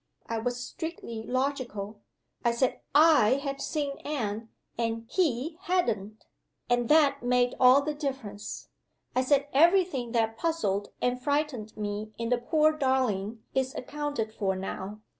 I was strictly logical. I said I had seen Anne, and he hadn't and that made all the difference. I said, 'Every thing that puzzled and frightened me in the poor darling is accounted for now.